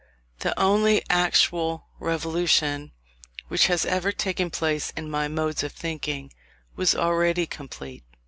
The only actual revolution which has ever taken place in my modes of thinking, was already complete.